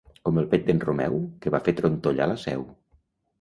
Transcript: Com el pet d'en Romeu, que va fer trontollar la Seu.